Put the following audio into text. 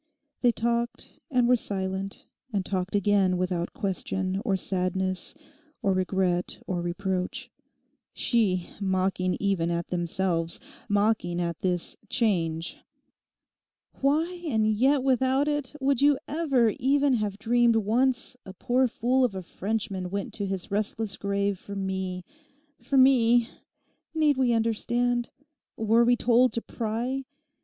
They talked, and were silent, and talked again with out question, or sadness, or regret, or reproach; she mocking even at themselves, mocking at this 'change'—'Why, and yet without it, would you ever even have dreamed once a poor fool of a Frenchman went to his restless grave for me—for me? Need we understand? Were we told to pry?